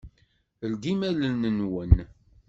Ldim allen-nwen.